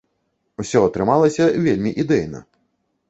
Усё атрымалася вельмі ідэйна!